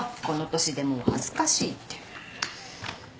この年でもう恥ずかしいって。